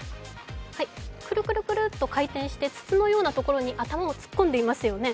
くるくるくるっと回転して筒のようなところに頭を突っ込んでいますよね。